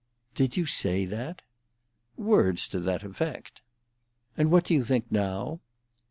"Did you say that?" "Words to that effect." "And what do you think now?"